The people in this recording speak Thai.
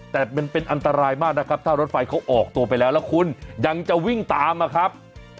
แต่มันเป็นอันตรายมากนะครับถ้ารถไฟเขาออกตัวไปแล้วแล้วคุณยังจะวิ่งตามมาครับ